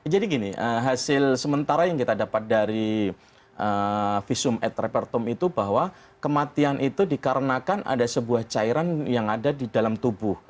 jadi gini hasil sementara yang kita dapat dari visum et repertum itu bahwa kematian itu dikarenakan ada sebuah cairan yang ada di dalam tubuh